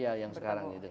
iya yang sekarang ini